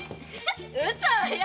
ウソよ！